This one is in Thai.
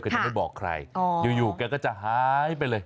จะไม่บอกใครอยู่แกก็จะหายไปเลย